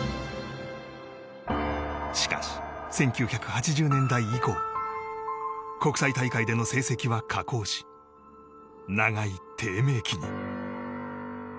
しかし、１９８０年代以降国際大会での成績は下降し長い低迷期に。